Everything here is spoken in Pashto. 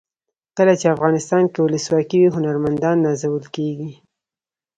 کله چې افغانستان کې ولسواکي وي هنرمندان نازول کیږي.